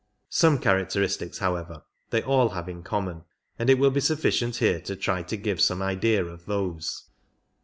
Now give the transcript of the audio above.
Some characteristics, however, they all have in common, and it will be sufficient here to try to give some idea of those.